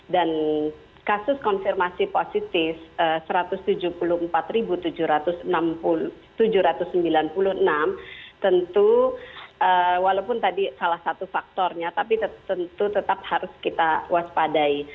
dan kasus konfirmasi positif satu ratus tujuh puluh empat tujuh ratus sembilan puluh enam tentu walaupun tadi salah satu faktornya tapi tentu tetap harus kita waspadai